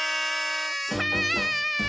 はい！